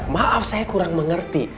maaf saya kurang mengerti